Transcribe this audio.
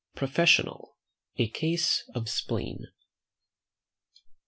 PROFESSIONAL: A CASE OF SPLEEN.